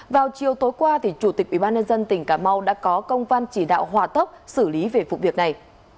vào chiều tối qua chủ tịch ubnd tỉnh cà mau đã có công văn chỉ đạo hòa tốc xử lý về vụ việc này